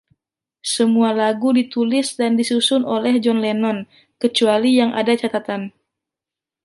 Semua lagu ditulis dan disusun oleh John Lennon, kecuali yang ada catatan.